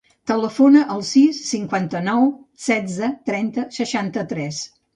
Telefona al sis, cinquanta-nou, setze, trenta, seixanta-tres.